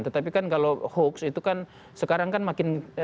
tetapi kan kalau hoax itu kan sekarang kan makin